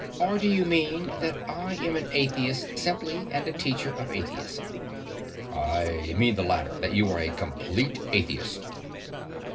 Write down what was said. Or, do you mean that I am an atheist simply, and a teacher of atheism? I mean the latter—that you are a complete atheist.